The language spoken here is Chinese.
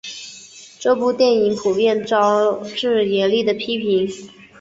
这部电影普遍招致严厉的批评。